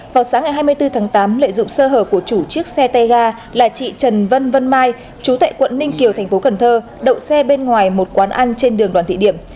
vào sáng ngày hai mươi bốn tháng tám lợi dụng sơ hở của chủ chiếc xe tay ga là chị trần vân vân mai chú tại quận ninh kiều thành phố cần thơ đậu xe bên ngoài một quán ăn trên đường đoàn thị điểm